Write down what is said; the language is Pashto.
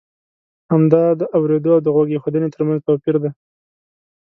همدا د اورېدو او د غوږ اېښودنې ترمنځ توپی ر دی.